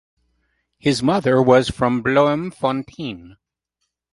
His mother was from Bloemfontein.